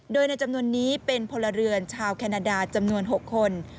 โดยในจำนวนนี้เป็นพลเรือนชาวแคนาดาจำนวน๖คน